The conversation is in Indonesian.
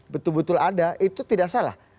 betul betul ada itu tidak salah